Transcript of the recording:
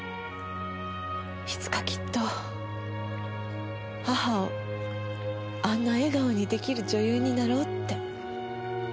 いつかきっと母をあんな笑顔に出来る女優になろうって。